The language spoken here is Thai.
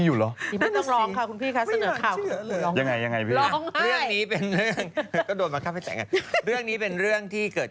จริง